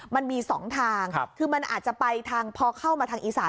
มันมี๒ทางคือมันอาจจะไปทางพอเข้ามาทางอีสาน